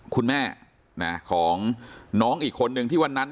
คุณแม่ของน้องอีกคนนึงที่วันนั้น